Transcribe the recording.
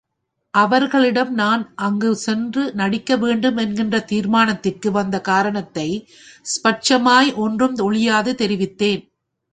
அவர்களிடம் நான் அங்கு சென்று நடிக்க வேண்டும் என்கிற தீர்மானத்திற்கு வந்த காரணத்தை ஸ்பஷ்டமாய் ஒன்றும் ஒளியாது தெரிவித்தேன்.